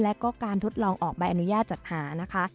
และก็การทดลองออกใบอนุญาตจัดหานะคะ